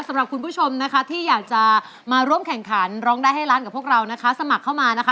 สำหรับคุณผู้ชมนะคะที่อยากจะมาร่วมแข่งขันร้องได้ให้ร้านกับพวกเรานะคะสมัครเข้ามานะคะ